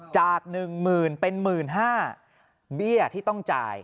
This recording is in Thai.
จาก๑๐๐๐เป็น๑๕๐๐บาทเบี้ยที่ต้องจ่าย